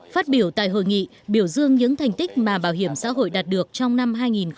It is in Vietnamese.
phát biểu tại hội nghị biểu dương những thành tích mà bảo hiểm xã hội đạt được trong năm hai nghìn hai mươi